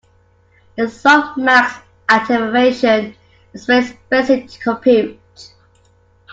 The softmax activation is very expensive to compute.